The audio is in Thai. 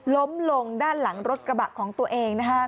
ล้มลงด้านหลังรถกระบะของตัวเอง